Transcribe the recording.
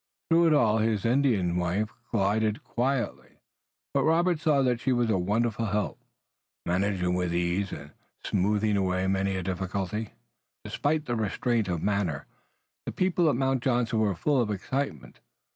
Through it all his Indian wife glided quietly, but Robert saw that she was a wonderful help, managing with ease, and smoothing away many a difficulty. Despite the restraint of manner, the people at Mount Johnson were full of excitement.